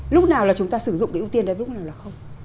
lúc nào là chúng ta sử dụng cái ưu tiên đấy lúc nào là không